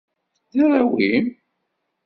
D arraw-im.